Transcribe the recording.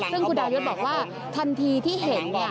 ซึ่งคุณดายศบอกว่าทันทีที่เห็น